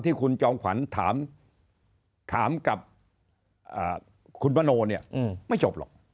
ที่คุณจอมขวัญถามกับคุณมโนเนี่ยไม่จบหรอก